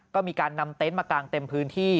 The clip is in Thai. ก็มีการนำเต็นต์มากางเต็มพื้นที่